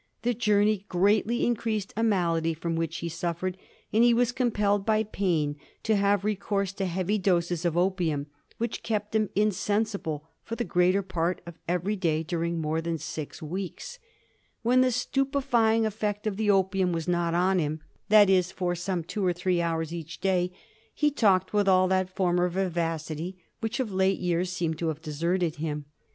The journey greatly increased a malady from which he suffered, and he was compelled by pain to have recourse to heavy doses of opium, which tept him insensible for the greater part of every day during more than six weeks. When the stupe fying effect of the opium was not on him — that is, for 196 ^ HIST0BT OF TH£ FOUB GEORGES. CH.zzxm. some two or three hoars each day — he talked with all that former vivacity which of late years seemed to have deserted him.